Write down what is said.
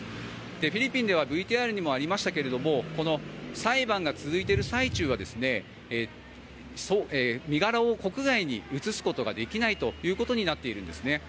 フィリピンではＶＴＲにもありましたけれども裁判が続いている最中は身柄を国外に移すことができないということになっているんですね。